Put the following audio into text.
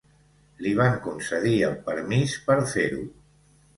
L'hi van concedir el permís per fer-ho.